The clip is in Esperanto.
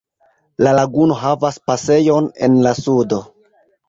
La laguno havas pasejon en la sudo.